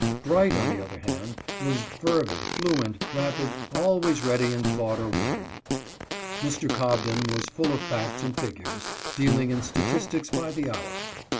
Bright, on the other hand, was fervid, fluent, rapid ; always ready in thought or word. Mr. Cobden was full of facts and figures, dealing in statistics by the hour. Mr.